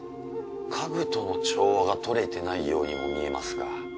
家具との調和が取れてないようにも見えますが。